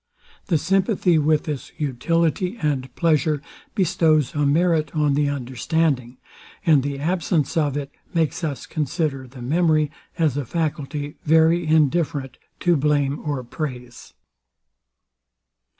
The sympathy with this utility and pleasure bestows a merit on the understanding; and the absence of it makes us consider the memory as a faculty very indifferent to blame or praise.